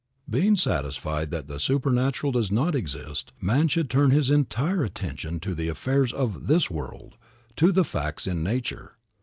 Being satisfied that the supernatural does not exist, man should turn his entire attention to the affairs of this world, to the facts in nature.